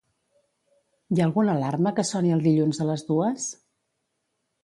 Hi ha alguna alarma que soni el dilluns a les dues?